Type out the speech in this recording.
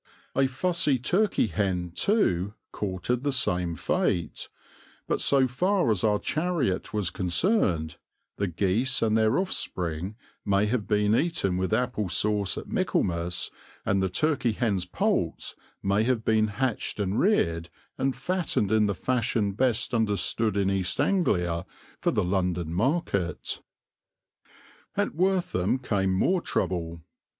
A fussy turkey hen, too, courted the same fate, but so far as our chariot was concerned, the geese and their offspring may have been eaten with apple sauce at Michaelmas, and the turkey hen's poults may have been hatched and reared, and fattened in the fashion best understood in East Anglia for the London market. At Wortham came more trouble.